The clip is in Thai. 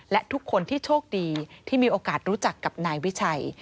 และทุกคนที่โชคดีที่มีโอกาสรู้จักกับนายวิชัย